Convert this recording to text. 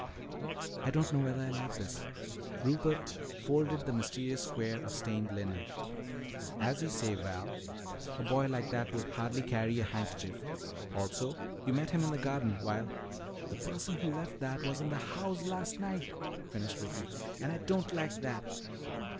"Don't know whether I exactly like this." Rupert folded the mysterious square of stained linen. "As you say, Val, a boy like that would hardly carry a handkerchief. Also, you met him in the garden, while " "The person who left that was in this house last night!" finished Ricky. "And I don't like that!"